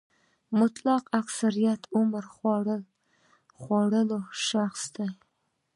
مطلق اکثریت عمر خوړلي اشخاص دي.